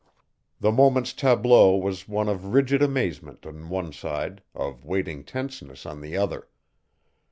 The moment's tableau was one of rigid amazement on one side, of waiting tenseness on the other.